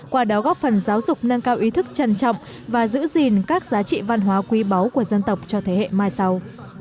qua đó góp phần giáo dục nâng cao ý thức trân trọng và giữ gìn các giá trị văn hóa quý báu của dân tộc cho thế hệ mai sau